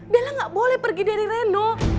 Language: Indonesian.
bella gak boleh pergi dari reno